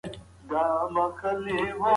که مینه وي نو سکون وي.